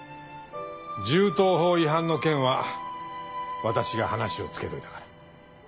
銃刀法違反の件は私が話をつけといたから。